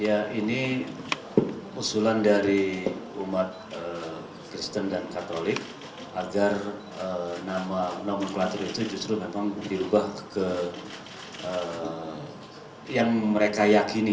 ya ini usulan dari umat kristen dan katolik agar nama nama pelatri itu justru memang dirubah ke yang mereka yakini